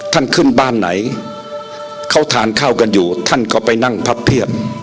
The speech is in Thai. ท่านขึ้นบ้านไหนเขาทานข้าวกันอยู่ท่านก็ไปนั่งพับเพียบ